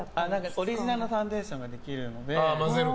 オリジナルのファンデーションができるので。